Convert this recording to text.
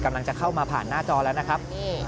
กำลังจะเข้ามาผ่านหน้าจอแล้วนะครับ